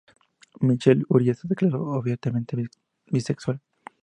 Michael Urie se declaró abiertamente bisexual.